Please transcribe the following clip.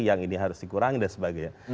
yang ini harus dikurangi dan sebagainya